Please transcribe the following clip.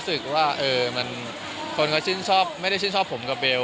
เพราะปั้นกับหลุยที่แซวอะไรอย่างเงี้ย